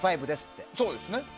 そうですね。